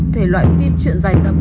thể loại phim chuyện dài tầm